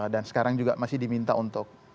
dan sekarang juga masih diminta untuk